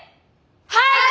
はい！